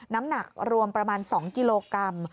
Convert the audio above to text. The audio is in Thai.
น้ำหนักรวมประมาณ๒กิโลกรัม